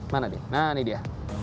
mana nih nah ini dia